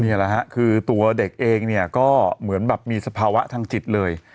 นี่แหละฮะคือตัวเด็กเองเนี่ยก็เหมือนแบบมีสภาวะทางจิตเลย